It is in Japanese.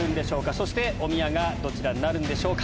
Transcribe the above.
そしておみやがどちらになるんでしょうか？